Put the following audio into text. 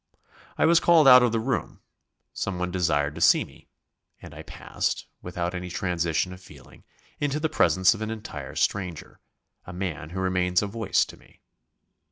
I was called out of the room someone desired to see me, and I passed, without any transition of feeling, into the presence of an entire stranger a man who remains a voice to me.